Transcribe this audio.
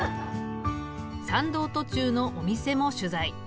参道途中のお店も取材。